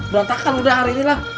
berantakan udah hari ini lah